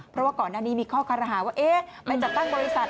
เพราะว่าก่อนหน้านี้มีข้อคารหาว่าเอ๊ะไม่จัดตั้งบริษัท